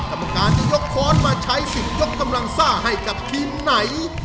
กรรมการจะยกค้อนมาใช้สิทธิ์ยกกำลังซ่าให้กับทีมไหน